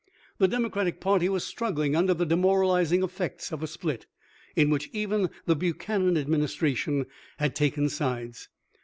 The Democratic party was struggling under the demoralizing effects of a split, in which even the Buchanan administration had taken sides.